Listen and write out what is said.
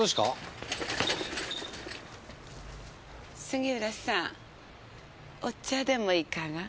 杉浦さんお茶でもいかが？